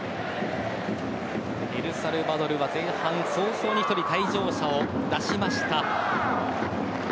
エルサルバドルは前半早々に１人退場者を出しました。